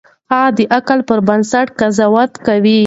هغه د عقل پر بنسټ قضاوت کاوه.